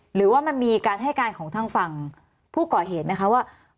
หรือว่ามันมีการให้การของทางฝั่งผู้ก่อเหตุไหมคะว่า